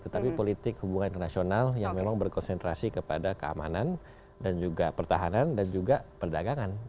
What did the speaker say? tetapi politik hubungan internasional yang memang berkonsentrasi kepada keamanan dan juga pertahanan dan juga perdagangan